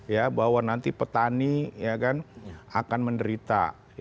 ya bahwa nanti petani akan menderita